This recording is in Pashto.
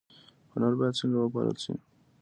هنر باید څنګه وپال ل شي؟